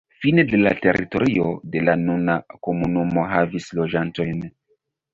Fine de la teritorio de la nuna komunumo havis loĝantojn.